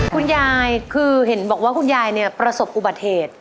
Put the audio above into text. คุณยายคือเห็นบอกว่าคุณยายเนี่ยประสบอุบัติเหตุ